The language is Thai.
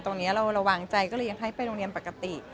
เราระวังใจก็เลยยังให้ไปโรงเรียนปกติ